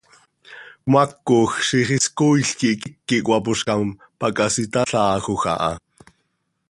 Cmaacoj ziix is cooil quih quiic quih cöhapoozcam, pac hasitalhaajö aha.